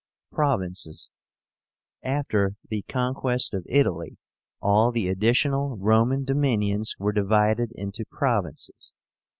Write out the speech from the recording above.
PROVINCES. After the conquest of Italy, all the additional Roman dominions were divided into provinces.